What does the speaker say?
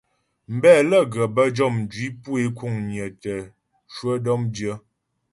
Mbɛ lə́ ghə bə́ jɔ mjwǐ pu é kuŋnyə tə cwə dɔ̌mdyə.